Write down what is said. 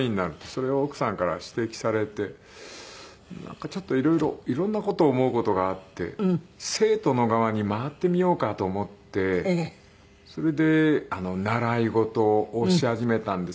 それを奥さんから指摘されてなんかちょっと色々色んな事を思う事があって生徒の側に回ってみようかと思ってそれで習い事をし始めたんですね。